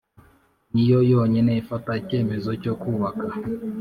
ni yo yonyine ifata icyemezo cyo kubaka